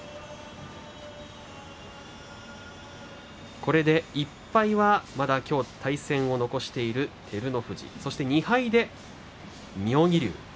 これで１敗はまだ対戦を残している照ノ富士そして２敗で妙義龍。